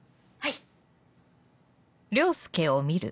はい。